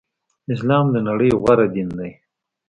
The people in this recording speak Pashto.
اسلام د نړی غوره دین دی.